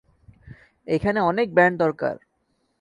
এখানে অনেক ব্র্যান্ড দরকার।